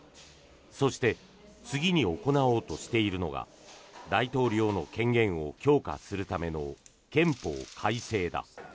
そして次に行おうとしているのが大統領の権限を強化するための憲法改正だ。